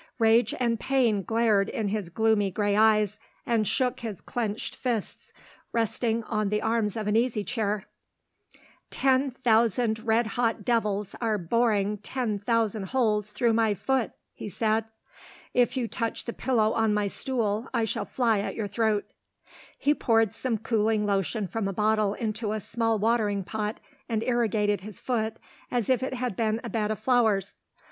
Rage and pain glared in his gloomy gray eyes, and shook his clenched fists, resting on the arms of an easy chair. "Ten thousand red hot devils are boring ten thousand holes through my foot," he said. "If you touch the pillow on my stool, I shall fly at your throat." He poured some cooling lotion from a bottle into a small watering pot, and irrigated his foot as if it had been a bed of flowers.